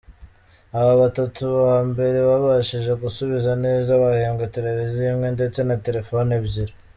Aba batatu ba mbere babashije gusubiza neza bahembwe televiziyo imwe ndetse na telefoni ebyiri.